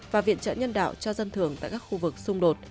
và viện trợ nhân đạo cho dân thường tại các khu vực xung đột